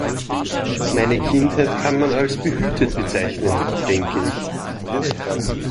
Meine Kindheit kann man als behütet bezeichnen, denke ich.